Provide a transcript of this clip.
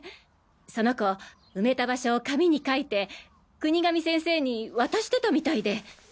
その子埋めた場所を紙に書いて国上先生に渡してたみたいで。